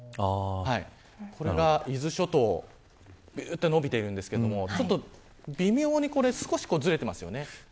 これが伊豆諸島に伸びていますが微妙に少しずれていますよね。